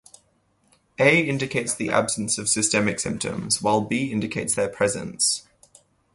"A" indicates the absence of systemic symptoms, while "B" indicates their presence.